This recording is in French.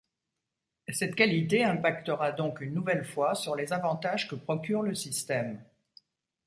Cette qualité impactera donc une nouvelle fois sur les avantages que procurent le système.